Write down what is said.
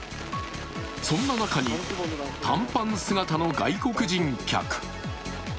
そんな中に短パン姿の外国人客。